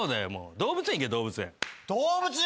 動物園行け動物園。